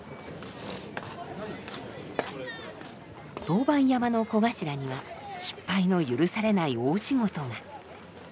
当番山の小頭には失敗の許されない大仕事が。